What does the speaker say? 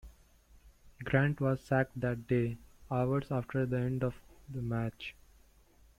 Grant was sacked that day, hours after the end of the match.